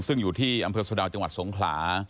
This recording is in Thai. ซึ่งอยู่ที่อำเภอสะดาวจังหวัดสงขลา